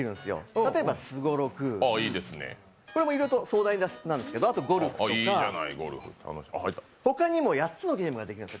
例えばすごろく、いろいろと壮大なんですけど、あとゴルフとか、他にも８つのゲームができるんです。